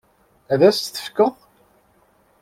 Ad as-tt-tefkeḍ?